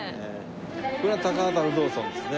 これが高幡不動尊ですね。